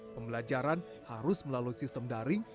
pembelajaran harus melalui sistem daring